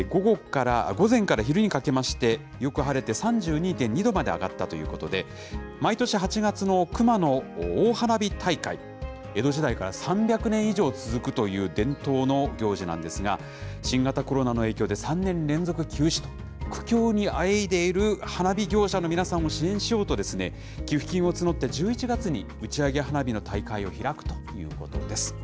午前から昼にかけまして、よく晴れまして、３２．２度まで上がったということで、毎年８月の熊野大花火大会、江戸時代から３００年以上続くという伝統の行事なんですが、新型コロナの影響で、３年連続休止、苦境にあえいでいる花火業者の皆さんを支援しようと、寄付金を募って１１月に打ち上げ花火の大会を開くということです。